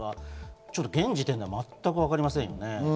現時点では全くわかりませんよね。